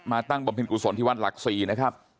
มาตั้งบำพินกุศลที่วันหลัก๔นะครับ